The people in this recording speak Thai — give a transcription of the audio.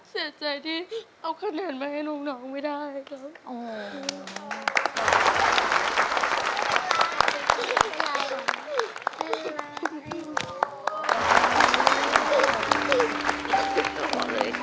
เสียใจที่เอาคะแนนมาให้ลูกน้องไม่ได้ค่ะ